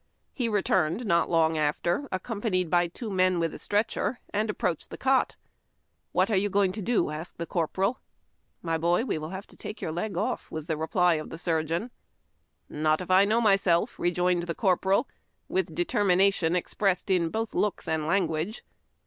He returned not long after, accompanied by two men with a stretclier, and approached the cot. " What are you going to do ?" asked the corporal. " My boy, we will liave to take your leg off," was the reply of the surgeon. "Not if I know myself," rejoined the corporal, with determination expressed in both looks and language.